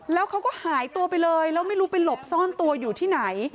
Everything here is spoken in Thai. แล้วเขาก็หายตัวไปเลยแล้วไม่รู้ไปหลบซ่อนตัวอยู่ที่ไหน